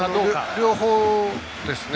両方ですね。